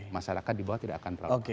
masyarakat di bawah tidak akan terlalu